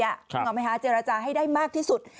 นึกออกไหมคะเจรจาให้ได้มากที่สุด